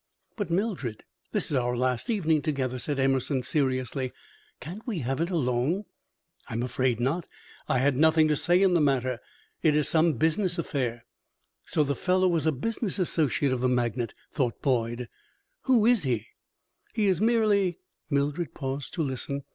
"But, Mildred, this is our last evening together," said Emerson, seriously. "Can't we have it alone?" "I am afraid not. I had nothing to say in the matter. It is some business affair." So the fellow was a business associate of the magnate, thought Boyd. "Who is he?" "He is merely " Mildred paused to listen.